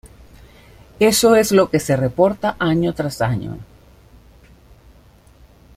Eso es lo que se reporta año tras año.